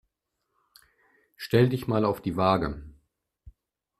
Stell dich mal auf die Waage.